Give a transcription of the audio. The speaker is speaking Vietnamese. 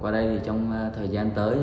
trong thời gian tới